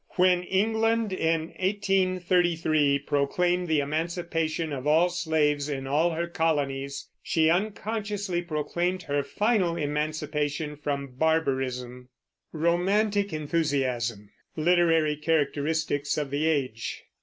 When England, in 1833, proclaimed the emancipation of all slaves in all her colonies, she unconsciously proclaimed her final emancipation from barbarism. LITERARY CHARACTERISTICS OF THE AGE.